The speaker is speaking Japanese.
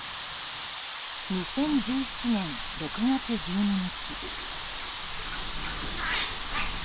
２０１７年６月１２日。